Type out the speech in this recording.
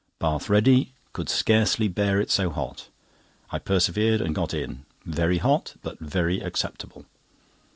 Bath ready—could scarcely bear it so hot. I persevered, and got in; very hot, but very acceptable.